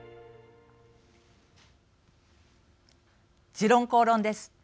「時論公論」です。